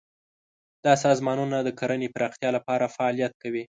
دا سازمانونه د کرنې پراختیا لپاره فعالیت کوي.